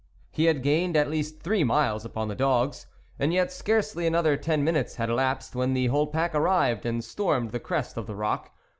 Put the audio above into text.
He had gained at least three miles upon the dogs ; and yet, scarcely another ten minutes had elapsed, when the whole pack arrived and stormed the crest of the rock.